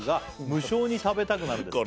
「無性に食べたくなるんです」